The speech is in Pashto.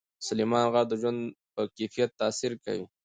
سلیمان غر د ژوند په کیفیت تاثیر کوي.